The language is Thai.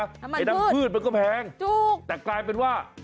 น้ำมันพืชมันก็แพงแต่กลายเป็นว่า